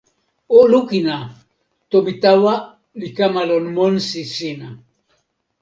o lukin a! tomo tawa li kama lon monsi sina!